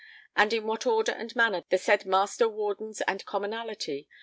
and in what Order and manner the said Master Wardens and Commonalty